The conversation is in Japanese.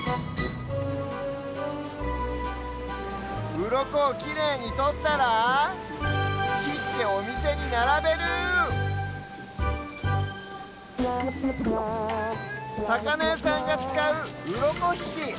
うろこをきれいにとったらきっておみせにならべるさかなやさんがつかううろこひき